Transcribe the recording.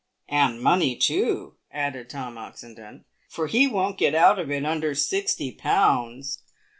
" And money too," added Tom Oxendon, "for he won't get out of it under sixty pounds."